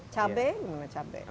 cabai gimana cabai